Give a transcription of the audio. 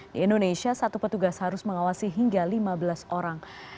di indonesia satu petugas harus mengawasi hingga lima belas orang